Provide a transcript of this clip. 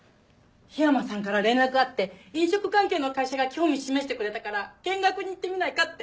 緋山さんから連絡あって飲食関係の会社が興味示してくれたから見学に行ってみないかって。